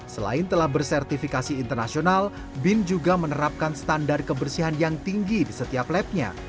selain telah bersertifikasi internasional bin juga menerapkan standar kebersihan yang tinggi di setiap labnya